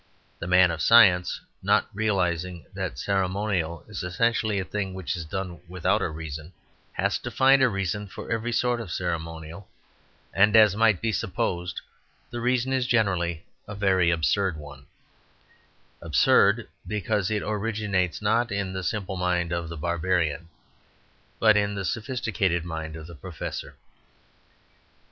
The man of science, not realizing that ceremonial is essentially a thing which is done without a reason, has to find a reason for every sort of ceremonial, and, as might be supposed, the reason is generally a very absurd one absurd because it originates not in the simple mind of the barbarian, but in the sophisticated mind of the professor.